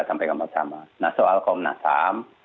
sampai sama sama nah soal kompolnasam